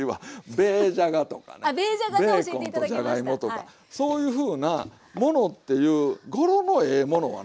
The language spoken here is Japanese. ベーコンとじゃがいもとかそういうふうなものっていう語呂のええものはね